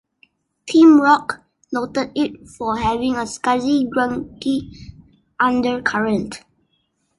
Team Rock noted it for having a "scuzzy, grungy undercurrent".